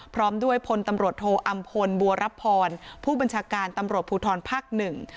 พร้อมด้วยพลตำรวจโทอำพลบัวรับพรผู้บัญชาการตำรวจภูทรภาคหนึ่ง